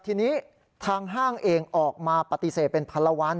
ทีนี้ทางห้างเองออกมาปฏิเสธเป็นพันละวัน